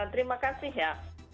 terima kasih ya